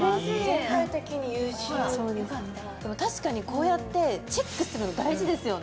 そうですねでも確かにこうやってチェックするの大事ですよね